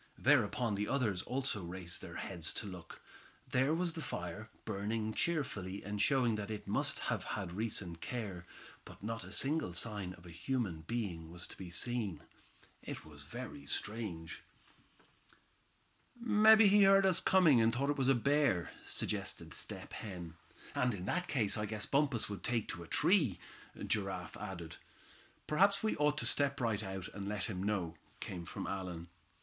Thereupon the others also raised their heads to look. There was the fire, burning cheerfully, and showing that it must have had recent care. But not a single sign of a human being was to be seen. It was very strange. "Mebbe he heard us coming, and thought it was a bear," suggested Step Hen. "And in that case I guess Bumpus would take to a tree," Giraffe added. "Perhaps we ought to step out right away, and let him know," came from Allan.